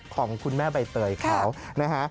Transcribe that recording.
ของคุณแม่ใบเตยเขา